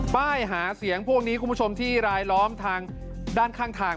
ป้ายหาเสียงพวกนี้คุณผู้ชมที่รายล้อมทางด้านข้างทาง